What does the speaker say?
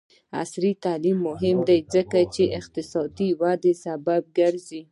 عصري تعلیم مهم دی ځکه چې اقتصادي وده سبب ګرځي.